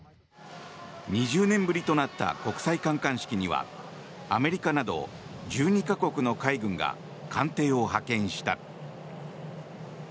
２０年ぶりとなった国際観艦式にはアメリカなど１２か国の海軍が艦艇を派遣した。